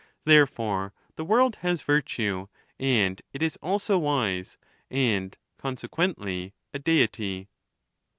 Therefoi e the world has virtue, and it is also wise, and consequently a Deity.